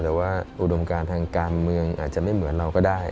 แต่ว่าอุดมการทางการเมืองอาจจะไม่เหมือนเราก็ได้